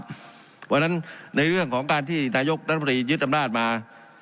เพราะฉะนั้นในเรื่องของการที่นายกรัฐมนตรียึดอำนาจมา